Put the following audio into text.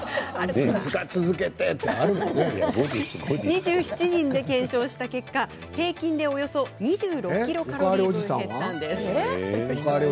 ２７人で検証した結果平均でおよそ２６ｋｃａｌ分減ったんです。